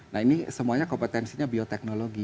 nah ini semuanya kompetensinya bioteknologi